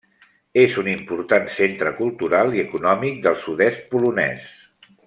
És un important centre cultural i econòmic del sud-est polonès.